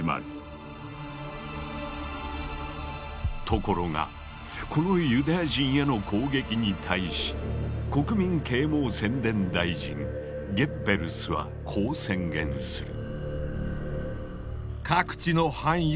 ところがこのユダヤ人への攻撃に対し国民啓蒙宣伝大臣ゲッベルスはこう宣言する。